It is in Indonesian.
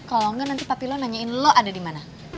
kalo enggak nanti papi lu nanyain lu ada dimana